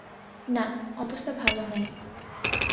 না, অবস্থা ভালো নয়।